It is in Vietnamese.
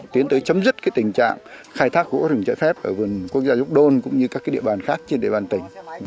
tiến tới chấm dứt cái tình trạng khai thác gỗ rừng cháy phép ở vườn quốc gia dúc đôn cũng như các cái địa bàn khác trên địa bàn tỉnh